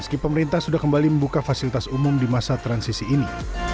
meski pemerintah sudah kembali membuka fasilitas umum di masa transisi ini